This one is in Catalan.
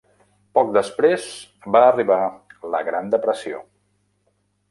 Poc després, va arribar la Gran Depressió.